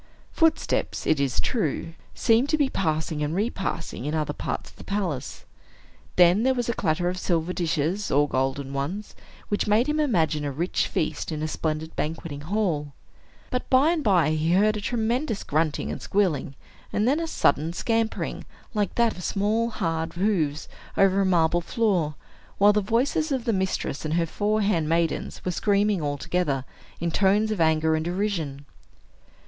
Footsteps, it is true, seemed to be passing and repassing, in other parts of the palace. Then there was a clatter of silver dishes, or golden ones, which made him imagine a rich feast in a splendid banqueting hall. But by and by he heard a tremendous grunting and squealing, and then a sudden scampering, like that of small, hard hoofs over a marble floor, while the voices of the mistress and her four handmaidens were screaming all together, in tones of anger and derision.